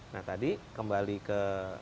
nah tadi kembali ke